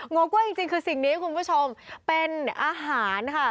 งงกล้วยจริงคือสิ่งนี้คุณผู้ชมเป็นอาหารค่ะ